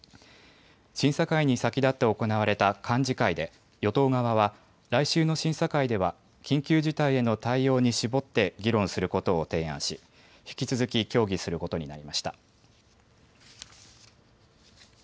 審査会に先立って行われた幹事会で与党側は来週の審査会では緊急事態への対応に絞って議論することを提案し引き続き協議することになりました。